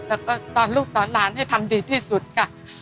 แล้วก็ตอนลูกตอนหลานให้ทำดีที่สุดค่ะ